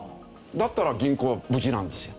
だったら銀行は無事なんですよ。